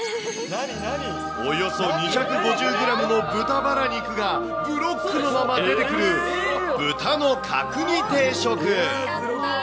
およそ２５０グラムの豚バラ肉が、ブロックのまま出てくる、豚の角煮定食。